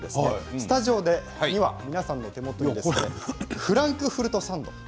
スタジオには皆さんのお手元にフランクフルトサンド。